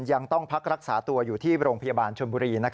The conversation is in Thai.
ยังต้องพักรักษาตัวอยู่ที่โรงพยาบาลชนบุรี